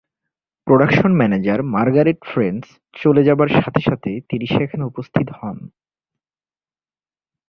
Production manager Margaret French চলে যাবার সাথে সাথে তিনি সেখানে উপস্থিত হন।